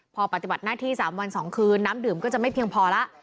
พอปฏิบัติหน้าที่๓วัน๒คืนน้ำดื่มก็จะไม่เพียงพอแล้ว